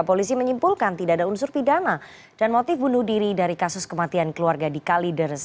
polisi menyimpulkan tidak ada unsur pidana dan motif bunuh diri dari kasus kematian keluarga di kalideres